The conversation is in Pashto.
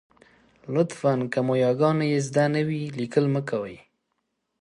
لطفاً! که مو یاګانې زده نه وي، لیکل مه کوئ.